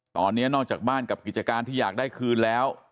ตอนนี้นอกจากบ้านกับกิจการที่อยากได้คืนแล้ว